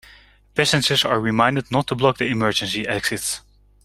Passengers are reminded not to block the emergency exits.